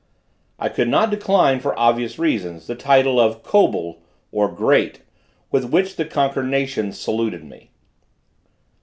I could not decline, for obvious reasons, the title of Koble, or great, with which the conquered nations saluted me.